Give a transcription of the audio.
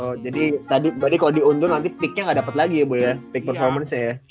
oh jadi tadi kalo diuntun nanti peaknya gak dapet lagi ya bu ya peak performancenya ya